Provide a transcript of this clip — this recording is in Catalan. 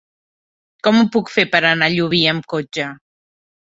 Com ho puc fer per anar a Llubí amb cotxe?